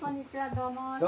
どうも。